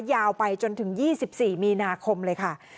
ยาวไปจนถึง๒๔มีนาคมเลยค่ะ